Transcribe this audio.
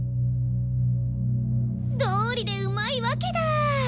どうりでうまいわけだ！